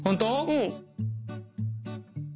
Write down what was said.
うん。